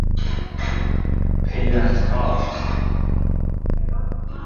پیوند کار